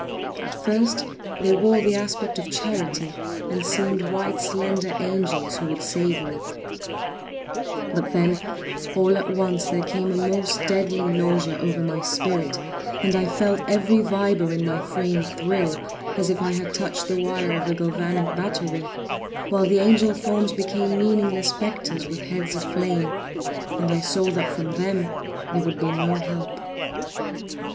At first they wore the aspect of charity, and seemed white and slender angels who would save me; but then, all at once, there came a most deadly nausea over my spirit, and I felt every fibre in my frame thrill as if I had touched the wire of a galvanic battery, while the angel forms became meaningless spectres, with heads of flame, and I saw that from them there would be no help.